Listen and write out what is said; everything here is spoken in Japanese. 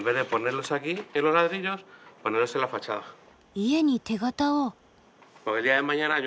家に手形を。